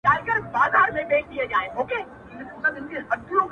ما خپل پښتون او خپل ياغي ضمير كي ـ